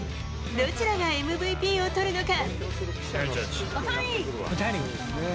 どちらがＭＶＰを取るのか。